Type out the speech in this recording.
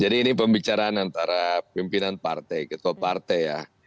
jadi ini pembicaraan antara pimpinan partai ketua partai ya